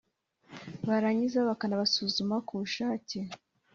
barangiza bakanabasuzuma ku bushake